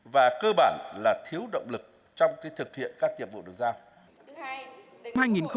và cơ bản là thiếu động lực trong thực hiện các nhiệm vụ được giao